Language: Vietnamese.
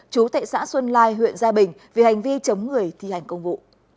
chú tại xã xuân lai huyện gia bình vì hành vi chống người thi hành công vụ